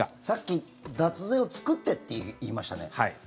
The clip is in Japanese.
さっき脱税を作ってって言いましたね？